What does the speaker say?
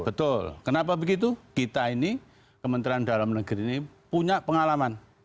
betul kenapa begitu kita ini kementerian dalam negeri ini punya pengalaman